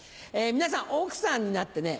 皆さん奥さんになってね